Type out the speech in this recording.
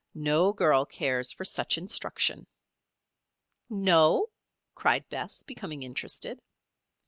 "No girl cares for such instruction." "No?" cried Bess, becoming interested.